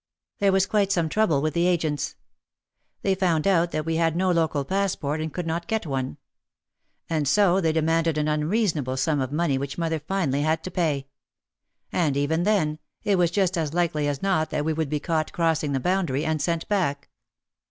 There was quite some trouble with the agents. They found out that we had no local passport and could not get one. And so they demanded an unreasonable sum of money which mother finally had to pay. And even then, it was just as likely as not that we would be caught crossing the boundary and sent back.